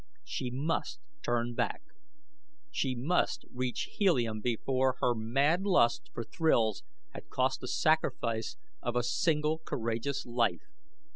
She must turn back! She must reach Helium before her mad lust for thrills had cost the sacrifice of a single courageous life!